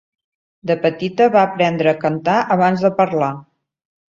De petita, va aprendre a cantar abans de parlar.